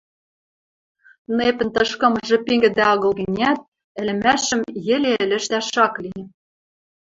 нэпӹн тышкымыжы пингӹдӹ агыл гӹнят, ӹлӹмӓшӹм йӹле ӹлӹжтӓш ак ли